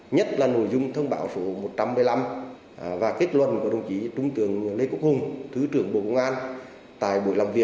nhất là nội dung thông báo số một trăm một mươi năm và kết luận của đơn vị